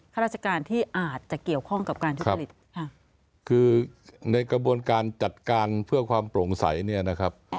ข้าราชการที่อาจจะเกี่ยวข้องกับการทุจริตค่ะคือในกระบวนการจัดการเพื่อความโปร่งใสเนี่ยนะครับ